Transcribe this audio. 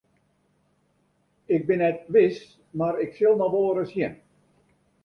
Ik bin net wis mar ik sil noch wolris sjen.